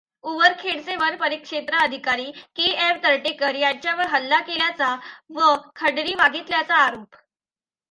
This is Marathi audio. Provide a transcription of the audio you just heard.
उमरखेडचे वन परिक्षेत्राधिकारी के. एम. तर्टेकर यांच्यावर हल्ला केल्याचा व खंडणी मागितल्याचा आरोप.